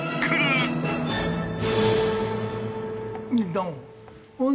どうも。